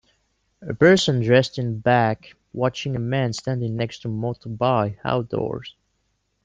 A person dressed in back watching a man standing next to a motorbike outdoors.